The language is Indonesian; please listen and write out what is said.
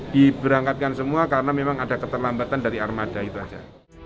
diberangkatkan semua karena memang ada keterlambatan dari armada itu saja